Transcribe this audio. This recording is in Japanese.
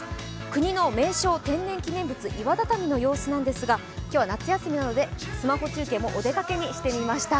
国の名勝、天然記念物・岩畳の様子なんですが、今日は夏休みなのでスマホ中継もお出かけにしてみました。